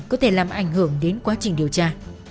có thể làm ảnh hưởng đến quá trình điều tra